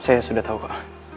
saya sudah tau kok